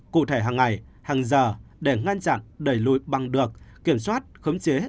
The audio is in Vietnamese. cụ thể hàng ngày hàng giờ để ngăn chặn đẩy lùi bằng được kiểm soát khống chế